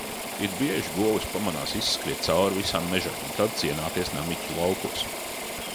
It bieži govis pamanās izskriet cauri visam mežam, un tad cienāties Namiķu laukos.